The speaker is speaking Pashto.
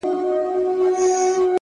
• ستا د رخسار خبري ډيري ښې دي.